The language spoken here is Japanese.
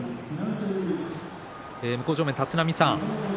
向正面の立浪さん